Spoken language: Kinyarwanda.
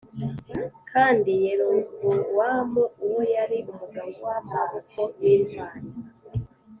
Kandi Yerobowamu uwo yari umugabo w’amaboko w’intwari